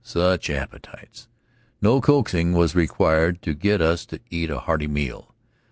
Such appetites! No coaxing was required to get us to eat a hearty meal.